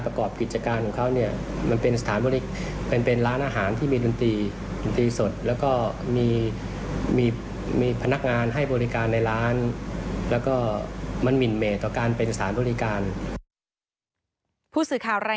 ผู้สื่อข่าวรายงานคือ